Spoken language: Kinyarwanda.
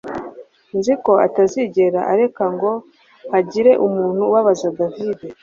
Nzi ko utazigera ureka ngo hagire umuntu ubabaza David